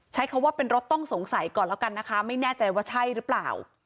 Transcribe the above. ใช้คำว่าเป็นรถต้องสงสัยก่อนแล้วกันนะคะไม่แน่ใจว่าใช่หรือเปล่า